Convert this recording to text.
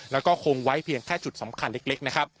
แล้วก็คงไว้เพียงแค่จุดสำคัญเล็กนะครับ